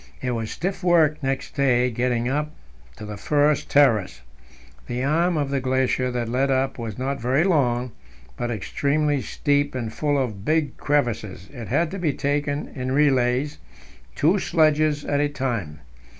It was stiff work next day getting up to the first terrace. The arm of the glacier that led up was not very long, but extremely steep and full of big crevasses; it had to be taken in relays, two sledges at a time.